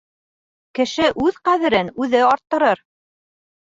Кеше үҙ ҡәҙерен үҙе арттырыр.